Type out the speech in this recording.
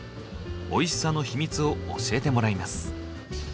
おいしさのヒミツを教えてもらいます。